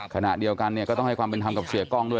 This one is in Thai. ขณะเดียวกันเนี่ยก็ต้องให้ความเป็นธรรมกับเสียกล้องด้วย